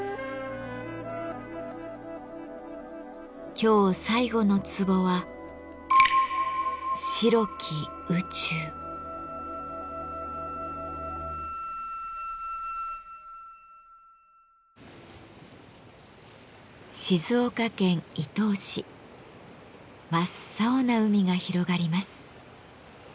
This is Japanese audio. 今日最後のツボは静岡県伊東市真っ青な海が広がります。